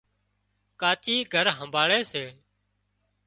ڪاچِي گھر همڀاۯي سي